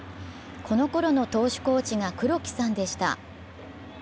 このころの投手コーチが黒木さんでした。